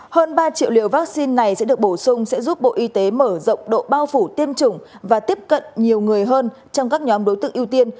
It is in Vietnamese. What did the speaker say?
hơn ba triệu liều vaccine này sẽ được bổ sung sẽ giúp bộ y tế mở rộng độ bao phủ tiêm chủng và tiếp cận nhiều người hơn trong các nhóm đối tượng ưu tiên